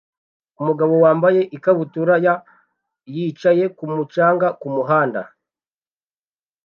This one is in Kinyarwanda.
Umugabo wambaye ikabutura ya yicaye kumu canga kumuhanda